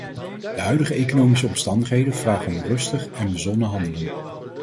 De huidige economische omstandigheden vragen om rustig en bezonnen handelen.